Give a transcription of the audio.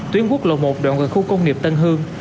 tuyến quốc lộ một đoạn gần khu công nghiệp tân hương